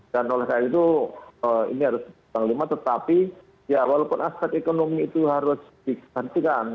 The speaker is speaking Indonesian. dan oleh saya itu ini harus ditanggung lima tetapi ya walaupun aspek ekonomi itu harus disantikan